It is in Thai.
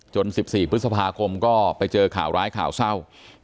๑๔พฤษภาคมก็ไปเจอข่าวร้ายข่าวเศร้า